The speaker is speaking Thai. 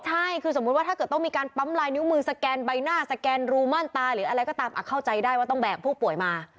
ใช่คือสมมุติว่าถ้าเกิดต้องมีการปั๊มลายนิ้วมือสแกนใบหน้าสแกนรูมั่นตาหรืออะไรก็ตามเข้าใจได้ว่าต้องแบกผู้ป่วยมา